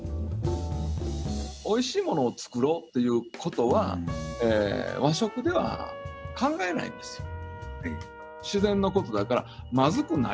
おいしいものを作ろうということは和食では考えないんですよ。